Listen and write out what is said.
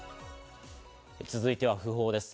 続いては訃報です。